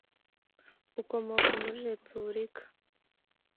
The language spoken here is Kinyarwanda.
Ukomoka Muri Repubulika